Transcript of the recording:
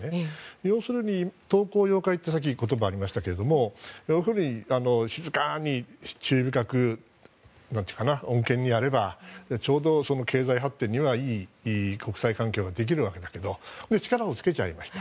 要するに韜光養晦という言葉がありましたが要するに静かに注意深く穏健にやればちょうど、経済発展にはいい国際関係ができるけど力をつけちゃいました。